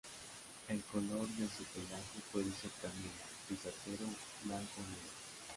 El color de su pelaje puede ser canela, gris acero, blanco o negro.